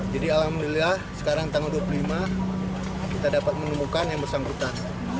jadi alhamdulillah sekarang tanggal dua puluh lima kita dapat menemukan yang bersangkutan